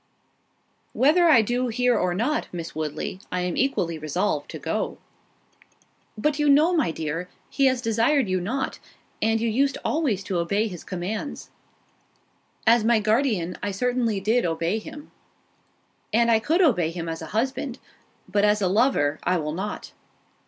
"Whether I do hear or not, Miss Woodley, I am equally resolved to go." "But you know, my dear, he has desired you not—and you used always to obey his commands." "As my guardian, I certainly did obey him; and I could obey him as a husband; but as a lover, I will not."